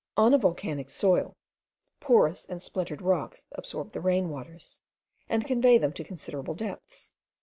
On a volcanic soil, porous and splintered rocks absorb the rain waters, and convey them to considerable depths.